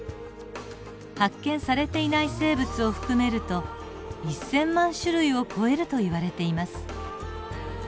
発見されていない生物を含めると１，０００万種類を超えるといわれています。